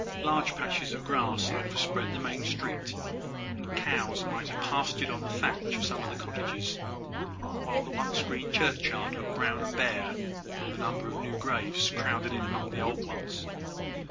Large patches of grass overspread the main street, and cows might have pastured on the thatch of some of the cottages, while the once green churchyard looked brown and bare from the number of new graves crowded in among the old ones.